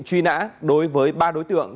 truy nã đối với ba đối tượng